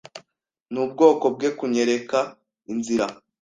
Nubwoko bwe kunyereka inzira.